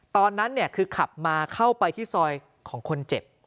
ตอนนั้นคือขับมาเข้าไปที่ซอยของคนเจ็บ